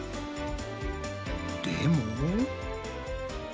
でも。